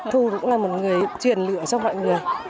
thu cũng là một người truyền lượng